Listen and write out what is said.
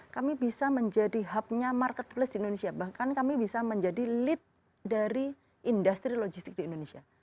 kami bisa menjadi hubnya marketplace di indonesia bahkan kami bisa menjadi lead dari industri logistik di indonesia